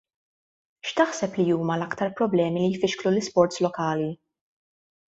X'taħseb li huma l-aktar problemi li jfixklu l-isports lokali?